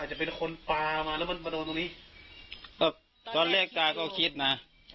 จะเป็นคนปลามาแล้วมันมาโดนตรงนี้ก็ตอนแรกตาก็คิดนะ